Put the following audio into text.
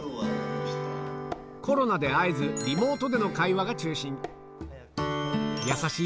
コロナで会えずリモートでの会話が中心